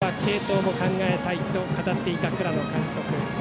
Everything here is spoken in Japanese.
状況によっては継投も考えたいと語っていた倉野監督。